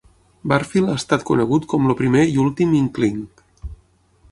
Barfield ha estat conegut com "el primer i últim Inkling".